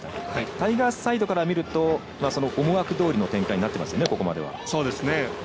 タイガースサイドから見るとその思惑どおりの展開になってますよね、ここまでは。